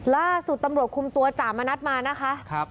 ล่าสุดตำรวจคุมตัวจ่ามณัฐมานะคะ